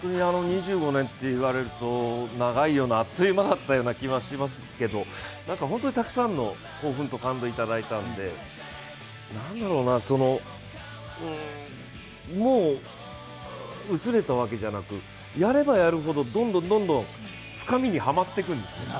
２５年っていわれると長いようなあっという間だったような気がしますけど、本当にたくさんの興奮と感動をいただいたので、うーん、もう、薄れたわけじゃなくて、やればやるほどどんどんどんどん深みにはまっていくんです。